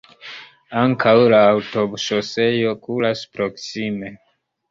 Ankaŭ la aŭtoŝoseoj kuras proksime.